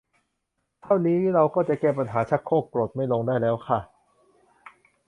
เท่านี้เราก็จะแก้ปัญหาชักโครกกดไม่ลงได้แล้วค่ะ